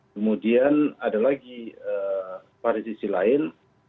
kemudian ada lagi pada sisi lain